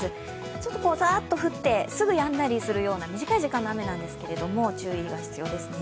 ちょっとザーッと降って、やんだりするような短い時間の雨なんですけれども注意が必要ですね。